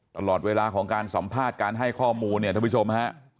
ตลอดเวลาของการสัมภาษณ์การให้ข้อมูลเนี่ยท่านผู้ชมฮะ